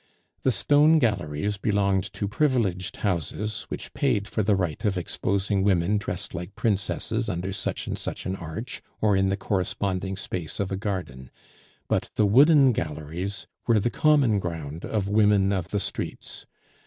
The Stone Galleries belonged to privileged houses, which paid for the right of exposing women dressed like princesses under such and such an arch, or in the corresponding space of garden; but the Wooden Galleries were the common ground of women of the streets.